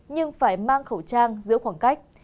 nhưng phải mang khẩu trang giữa khoảng cách